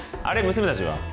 娘たちは？